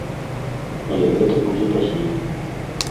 Але гэта будзе пазней.